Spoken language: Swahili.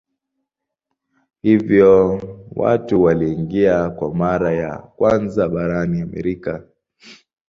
Hivyo watu waliingia kwa mara ya kwanza barani Amerika.